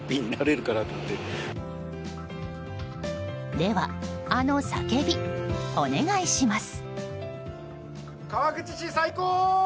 では、あの叫びお願いします。